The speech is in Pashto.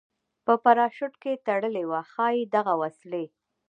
په پراشوټ کې تړلې وه، ښایي دغه وسلې.